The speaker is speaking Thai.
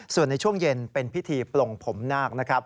ส่วนในช่วงเย็นเป็นพิธีปลงผมนาก